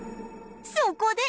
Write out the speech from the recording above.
そこで